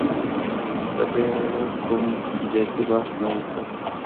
په دې اړه کوم جدي بحث نه دی شوی.